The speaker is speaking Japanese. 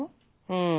うん。